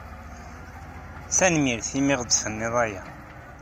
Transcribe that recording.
Tanemmirt i mi ɣ-d-tenniḍ aya.